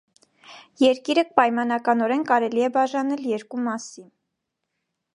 Երկիրը պայմանականորեն կարելի է բաժանել երկու մասի։